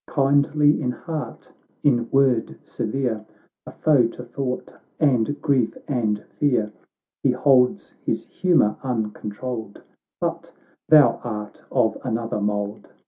Kindly in heart, in word severe, A foe to thought, and grief, and fear, He holds his humour uncontrolled; But thou art of another mould.